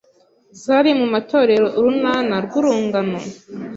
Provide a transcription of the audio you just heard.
zari mu Itorero Urunana rw’Urungano